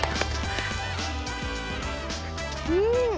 うん。